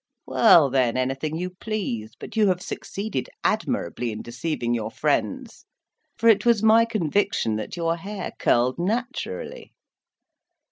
"Well, then, anything you please; but you have succeeded admirably in deceiving your friends, for it was my conviction that your hair curled naturally."